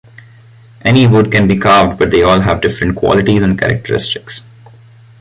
Any wood can be carved but they all have different qualities and characteristics.